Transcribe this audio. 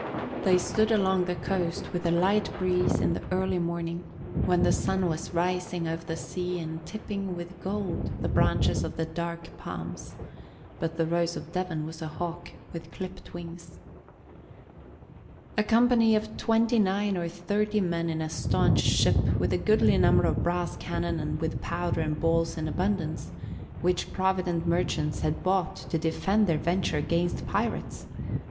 They stood along the coast with a light breeze in the early morning, when the sun was rising over the sea and tipping with gold the branches of the dark palms; but the Rose of Devon was a hawk with clipped wings. A company of twenty nine or thirty men in a staunch ship with a goodly number of brass cannon and with powder and balls in abundance (which provident merchants had bought to defend their venture against pirates!)